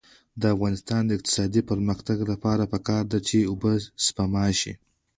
د افغانستان د اقتصادي پرمختګ لپاره پکار ده چې اوبه سپما شي.